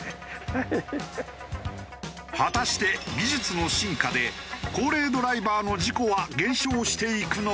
果たして技術の進化で高齢ドライバーの事故は減少していくのか？